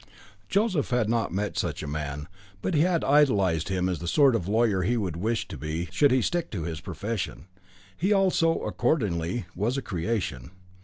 Joseph had not met such a man, but he had idealised him as the sort of lawyer he would wish to be should he stick to his profession. He also, accordingly, was a creation.